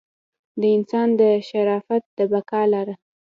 د انسان د شرافت د بقا لاره.